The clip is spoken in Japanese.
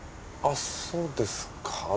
あっそうですか。